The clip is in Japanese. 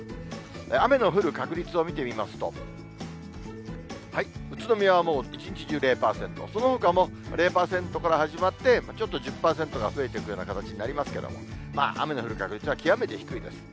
雨の降る確率を見てみますと、宇都宮はもう一日中０％、そのほかも０％から始まって、ちょっと１０％が増えていくような形になりますけれども、雨の降る確率は極めて低いです。